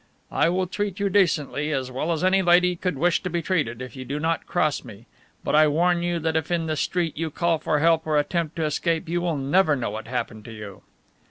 I will treat you decently, as well as any lady could wish to be treated, if you do not cross me, but I warn you that if in the street you call for help or attempt to escape you will never know what happened to you."